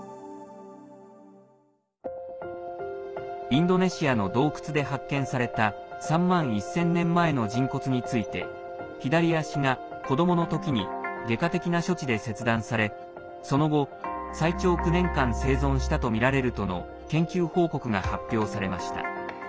インドネシアの洞窟で発見された３万１０００年前の人骨について左足が子どもの時に外科的な処置で切断されその後、最長９年間生存したとみられるとの研究報告が発表されました。